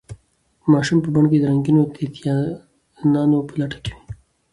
ماشوم په بڼ کې د رنګینو تیتانانو په لټه کې و.